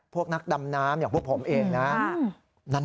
พวกนักดำน้ำอย่างพวกผมเองนะ